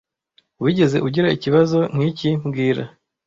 Wigeze ugira ikibazo nkiki mbwira